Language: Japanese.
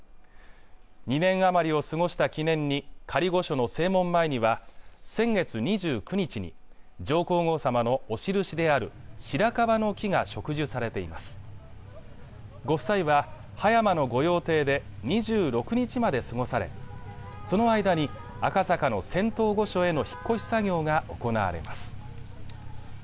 ２年余りを過ごした記念に仮御所の正門前には先月２９日に上皇后さまのお印であるしらかばの木が植樹されていますご夫妻は葉山の御用邸で２６日まで過ごされその間に赤坂の仙洞御所への引っ越し作業が行われます